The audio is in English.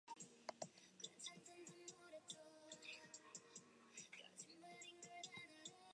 The Famicom was subsequently reissued with a new motherboard.